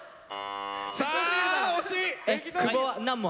あ惜しい！